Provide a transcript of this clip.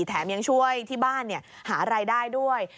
แถมยังช่วยที่บ้านหารายได้ด้วย